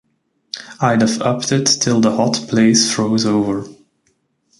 I'd've upped it till the hot place froze over!